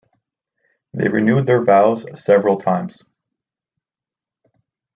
They renewed their vows several times.